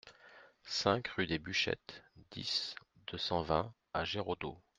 cinq rue des Bûchettes, dix, deux cent vingt à Géraudot